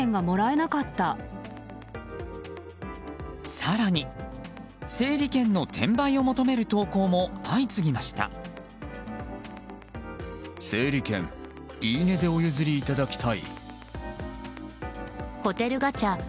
更に整理券の転売を求める投稿も相次ぎました。